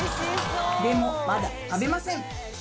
でもまだ食べません。